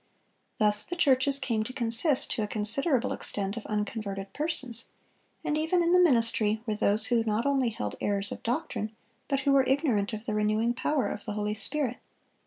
Thus the churches came to consist, to a considerable extent, of unconverted persons; and even in the ministry were those who not only held errors of doctrine, but who were ignorant of the renewing power of the Holy Spirit.